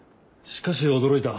しかし驚いた。